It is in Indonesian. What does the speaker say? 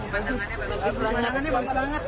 pemandangannya bagus banget